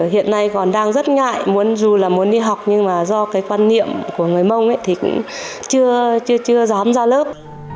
hiện nay còn đang rất ngại dù là muốn đi học nhưng mà do cái quan niệm của người mông ấy thì cũng chưa dám ra lớp